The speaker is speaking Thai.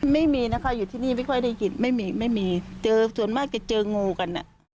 ไม่มีนะคะอยู่ที่นี่ไม่ค่อยได้ยินไม่มีไม่มีเจอส่วนมากจะเจองูกัน